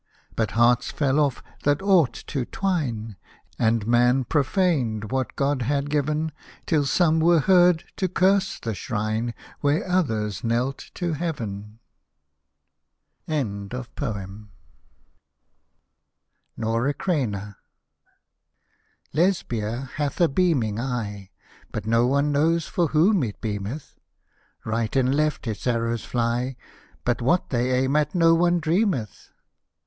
But hearts fell off, that ought to twine. And man profaned what God had given ; Till some were heard to curse the shrine, Where others knelt to heaven !" NORA CREINA Lesbia hath a beaming eye, But no one knows for whom it bieameth Right and left its arrows fly, But what they aim at no one dreameth.